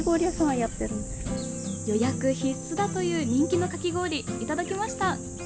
予約必須だという人気のかき氷、いただきました。